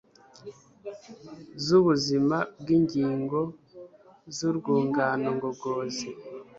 zubuzima bwingingo zurwungano ngogozi